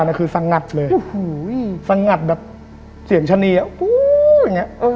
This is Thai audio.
น่ะคือสังงัดเลยอุ้ยสังงัดแบบเสียงชะนีอ่ะอู้อย่างเงี้ย